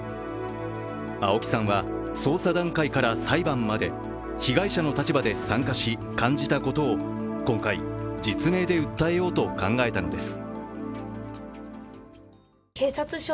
青木さんは捜査段階から裁判まで被害者の立場で参加し感じたことを今回、実名で訴えようと考えたのです。